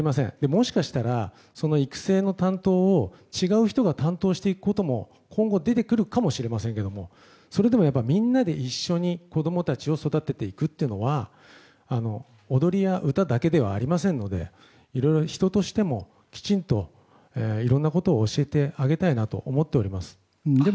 もしかしたら、育成の担当を違う人が担当していくことも今後出てくるかもしれませんけどそれでもみんなで一緒に子供たちを育てていくというのは踊りや歌だけではありませんので人としてもきちんといろんなことを教えてあげたいなと思っております。